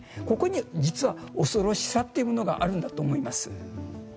ここに実は恐ろしさというものがあるんだと思います。